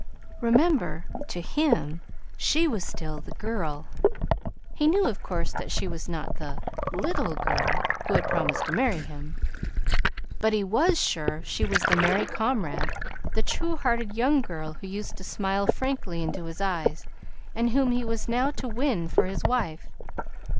Remember, to him she was still the girl. He knew, of course, that she was not the LITTLE girl who had promised to marry him. But he was sure she was the merry comrade, the true hearted young girl who used to smile frankly into his eyes, and whom he was now to win for his wife.